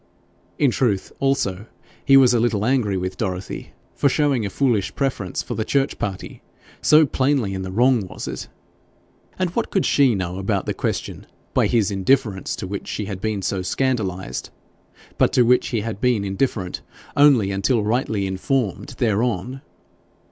In truth, also, he was a little angry with Dorothy for showing a foolish preference for the church party, so plainly in the wrong was it! And what could SHE know about the question by his indifference to which she had been so scandalised, but to which he had been indifferent only until rightly informed thereon!